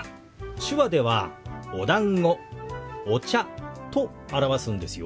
手話では「おだんご」「お茶」と表すんですよ。